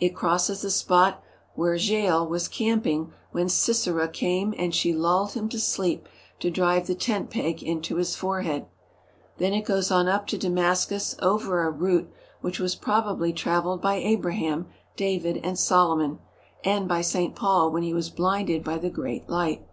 It crosses the spot where Jael was camping when Sisera came and she lulled him to sleep to drive the tent peg into his forehead. Then it goes on up to Damascus over a route which was probably travelled by Abraham, David, and Solomon, and by St. Paul when he was blinded by the great light.